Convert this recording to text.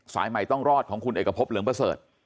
สายใหม่ต้องรอดของคุณเอกพบเหลืองประเสริฐ